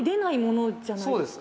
じゃないですか。